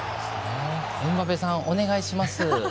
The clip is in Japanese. エムバペさん、お願いします。